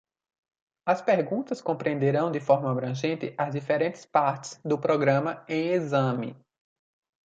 As perguntas compreenderão de forma abrangente as diferentes partes do programa em exame.